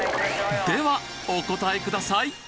ではお答えください！